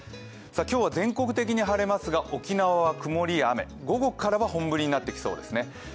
今日は全国的に晴れますが、沖縄は曇りや雨、午後からは本降りになってきそうですね。